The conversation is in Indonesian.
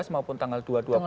maupun tanggal dua belas